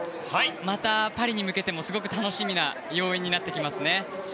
またパリに向けても楽しみな要因になってきます。